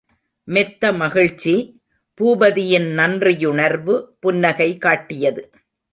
மெத்த மகிழ்ச்சி! பூபதியின் நன்றியுணர்வு, புன்னகை காட்டியது.